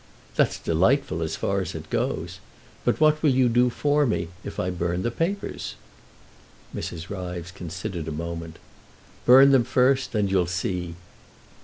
"That's delightful as far as it goes. But what will you do for me if I burn the papers?" Mrs. Ryves considered a moment. "Burn them first and you'll see!"